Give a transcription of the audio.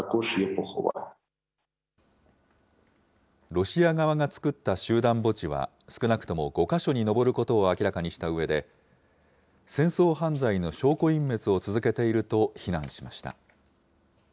ロシア側が作った集団墓地は少なくとも５か所に上ることを明らかにしたうえで、戦争犯罪の証拠隠滅を続けていると非難しました。